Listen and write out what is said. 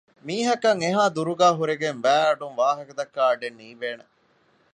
މީހަކަށް އެހާ ދުރުގައި ހުރެގެން ވައިއަޑުން ވާހަކަ ދައްކާ އަޑެއް ނީވޭނެ